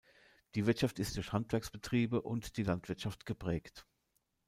Die Wirtschaft ist durch Handwerksbetriebe und die Landwirtschaft geprägt.